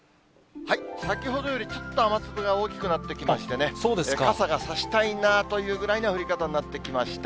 先ほどよりちょっと雨粒が大きくなってきましてね、傘が差したいなというぐらいな降り方になってきました。